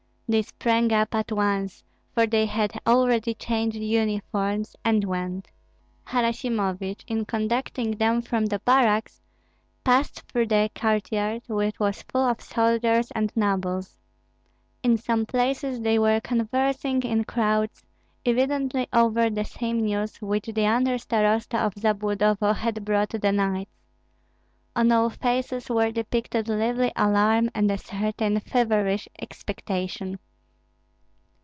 They sprang up at once, for they had already changed uniforms, and went. Harasimovich, in conducting them from the barracks, passed through the courtyard, which was full of soldiers and nobles. In some places they were conversing in crowds, evidently over the same news which the under starosta of Zabludovo had brought the knights. On all faces were depicted lively alarm and a certain feverish expectation.